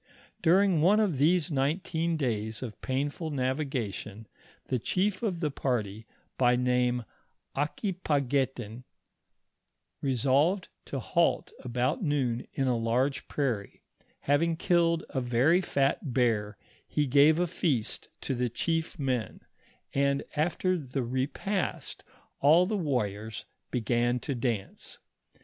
During one of these nineteen days of painful navigation, the chief of the party by name Aquipaguetin, resolved to halt about noon in a large prairie ; having killed a very fat bear, he gave a feast to tne chief men, and after the repast all the warriors began to dance.